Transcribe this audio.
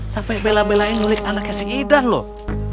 sampai bela belain mulit anaknya si idan loh